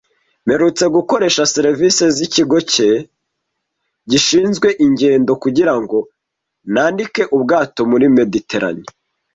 Mperutse gukoresha serivisi zikigo cye gishinzwe ingendo kugirango nandike ubwato muri Mediterane.